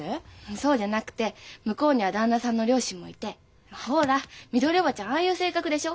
そうじゃなくて向こうには旦那さんの両親もいてほらみどり叔母ちゃんああいう性格でしょ？